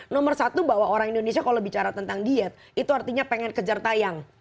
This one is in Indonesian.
nomor satu bahwa orang indonesia kalau bicara tentang diet itu artinya pengen kejar tayang